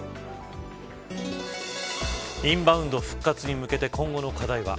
インバウンド復活に向けて今後の課題は。